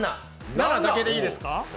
７だけでいいですか？